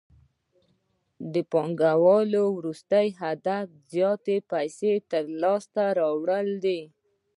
د پانګوال وروستی هدف د زیاتو پیسو لاسته راوړل دي